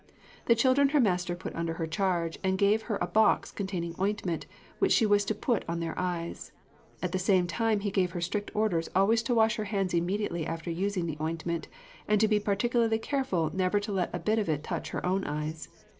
The children her master put under her charge, and gave her a box containing ointment, which she was to put on their eyes. At the same time he gave her strict orders always to wash her hands immediately after using the ointment, and be particularly careful never to let a bit of it touch her own eyes.